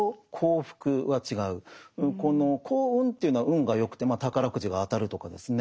この幸運というのは運がよくてまあ宝くじが当たるとかですね。